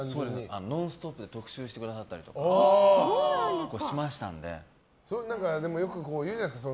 「ノンストップ！」で特集してくださったりとかよく言うじゃないですか。